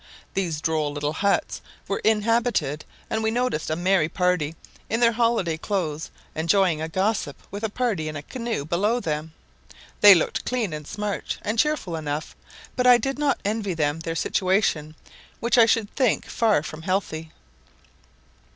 These droll little huts were inhabited, and we noticed a merry party, in their holiday clothes, enjoying a gossip with a party in a canoe below them. They looked clean and smart, and cheerful enough, but I did not envy them their situation, which I should think far from healthy.